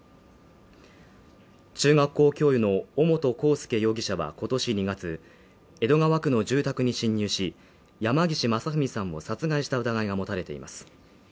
中学校教諭の尾本幸祐容疑者は今年２月、江戸川区の住宅に侵入し、山岸正文さんを殺害した疑いが持たれています。